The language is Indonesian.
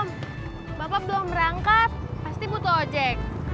bapak belum berangkat pasti butuh ojek